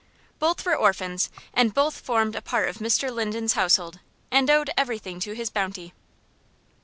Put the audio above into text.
Both were orphans, and both formed a part of Mr. Linden's household, and owed everything to his bounty.